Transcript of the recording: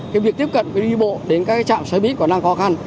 cái việc tiếp cận cái đi bộ đến các trạm xe buýt có năng khó khăn